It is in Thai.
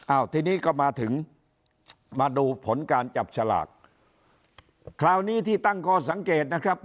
อ้าวทีนี้ก็มาถึงมาดูผลการจับฉลากคราวนี้ที่ตั้งข้อสังเกตนะครับ